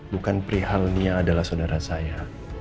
bukan prihal nia adalah saudara saya